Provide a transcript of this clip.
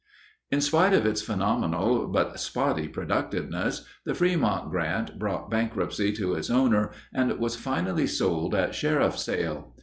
In spite of its phenomenal but spotty productiveness, the Frémont Grant brought bankruptcy to its owner and was finally sold at sheriff sale.